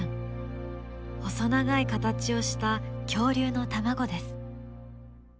細長い形をした恐竜の卵です。